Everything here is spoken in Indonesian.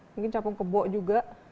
mungkin capung kebo juga